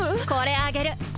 これあげる。